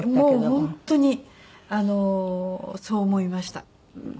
もう本当にそう思いました。